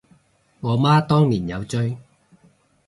我媽當年有追